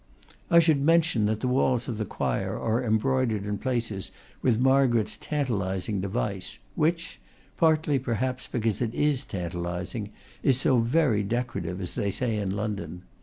I should mention that the walls of the choir are embroidered in places with Margaret's tantalizing device, which partly, perhaps, because it is tantalizing is so very decorative, as they say in London.